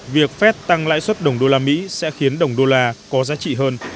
việc phép tăng lãi suất đồng đô la mỹ sẽ khiến đồng đô la có giá trị hơn